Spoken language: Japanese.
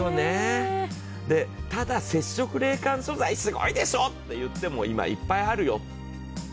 ただ接触冷感素材、すごいでしょうといっても、今、いっぱいあるよって。